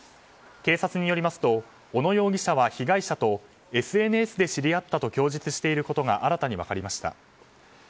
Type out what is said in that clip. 警察によりますと小野容疑者は被害者とＳＮＳで知り合ったと供述していることが新たに分かりました。